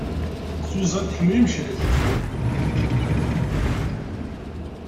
Susan, tḥemmel imcac.